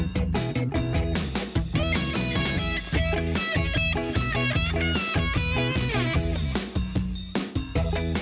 สวัสดีครับ